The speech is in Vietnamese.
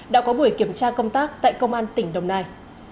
đã có buổi kiểm tra công tác tại công an tỉnh đồng nai